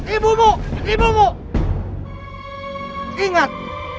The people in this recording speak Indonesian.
ibumu ibumu ingat